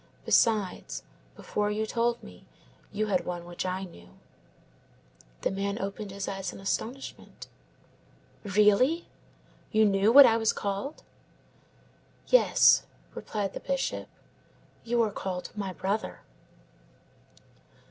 Besides, before you told me you had one which I knew." The man opened his eyes in astonishment. "Really? You knew what I was called?" "Yes," replied the Bishop, "you are called my brother."